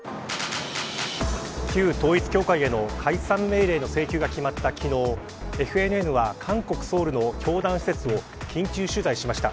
旧統一教会への解散命令の請求が決まった昨日ＦＮＮは韓国・ソウルの教団施設を緊急取材しました。